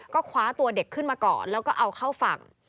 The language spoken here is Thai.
ก็คว้าตัวเด็กขึ้นมาก่อนแล้วก็เอาเข้าฝั่ง